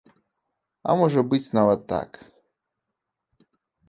А можа быць нават так.